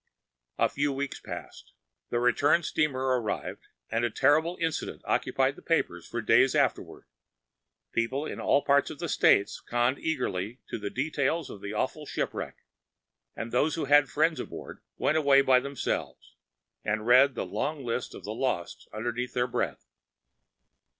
A few weeks passed. The return steamer arrived, and a terrible incident occupied the papers for days afterwards. People in all parts of the State conned eagerly the details of an awful shipwreck, and those who had friends aboard went away by themselves, and read the long list of the lost under their breath.